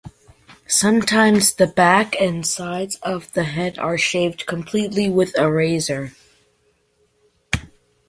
Sometimes the back and sides of the head are shaved completely with a razor.